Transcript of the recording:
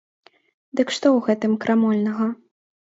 Дык што ў гэтым крамольнага?